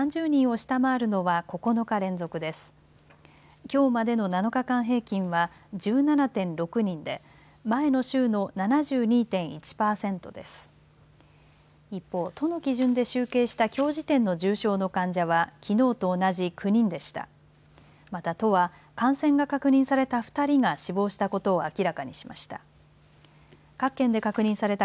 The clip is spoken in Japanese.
一方、都の基準で集計したきょう時点の重症の患者はきのうと同じ９人でした。